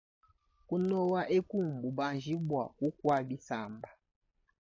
Kunova eku mbubanji bwa kukwa bisamba.